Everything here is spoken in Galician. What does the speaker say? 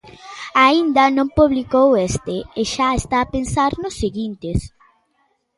Aínda non publicou este e xa está a pensar nos seguintes.